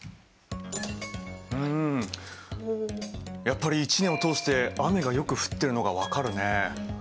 うんやっぱり一年を通して雨がよく降ってるのが分かるね。